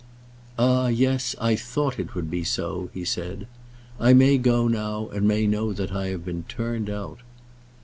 "Ah, yes! I thought it would be so," he said. "I may go now, and may know that I have been turned out."